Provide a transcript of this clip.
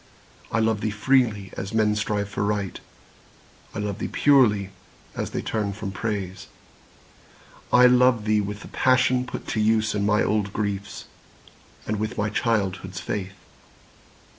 I love thee freely, as men strive for Right; I love thee purely, as they turn from Praise. I love thee with the passion put to use In my old griefs, and with my childhood's faith.